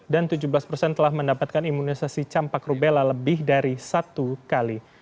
dan tujuh belas persen telah mendapatkan imunisasi campak rubella lebih dari satu kali